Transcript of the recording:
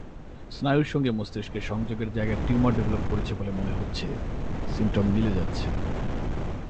স্নায়ুর সঙ্গে মস্তিকের সংযোগের জায়গায় টিউমার ডেভেলপ করছে বলে মনে হচ্ছে সিমটম মিলে যাচ্ছে।